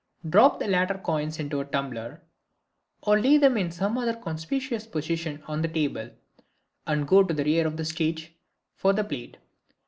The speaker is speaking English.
Drop the latter coins into a tumbler, or lay them in some other conspicuous position on the table, and go to the rear of the stage for the plate.